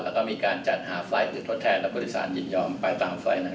แล้วก็มีการจัดหาไฟล์หรือทดแทนและผู้โดยสารยินยอมไปตามไฟล์